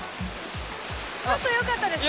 ちょっとよかったですね。